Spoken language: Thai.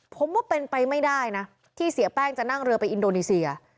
ผมว่าเป็นไปไม่ได้นะที่เสียแป้งจะนั่งเรือไปอินโดนีเซีย